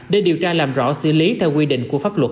để điều tra làm rõ xử lý theo quy định của pháp luật